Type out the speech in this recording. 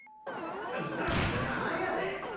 ふざけた名前やで。